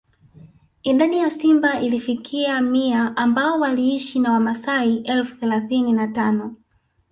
Idadi ya simba ilifikia mia ambao waliishi na wamaasai elfu thelathini na tano